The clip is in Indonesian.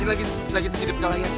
mama di sini lagi terdip gak layak